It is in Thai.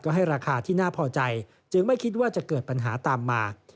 ก็ให้ราคาที่น่าพอใจจึงไม่คิดว่าจะเกิดปัญหาตามมา